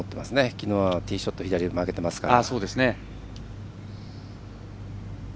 きのうはティーショット左に曲げていますから。